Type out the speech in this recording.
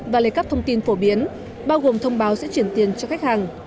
và lấy cắp thông tin phổ biến bao gồm thông báo sẽ chuyển tiền cho khách hàng